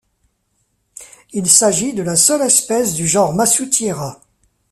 Il s'agit de la seule espèce du genre Massoutiera.